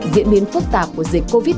diễn biến phức tạp của dịch covid một mươi chín